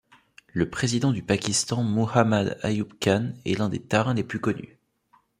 Le président du Pakistan Muhammad Ayub Khan est l'un des Tarins les plus connus.